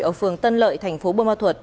ở phường tân lợi tp bơ ma thuật